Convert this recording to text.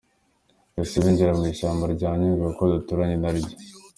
Bahise binjira mu ishyamba rya Nyungwe kuko duturanye naryo”.